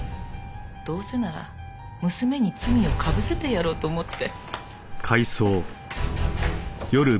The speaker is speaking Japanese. どうせなら娘に罪をかぶせてやろうと思って。